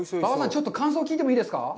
ちょっと感想聞いてもいいですか？